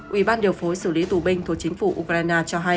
ủy ban điều phối xử lý tù binh thuộc chính phủ ukraine cho hay